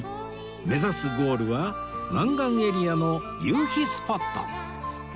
目指すゴールは湾岸エリアの夕日スポット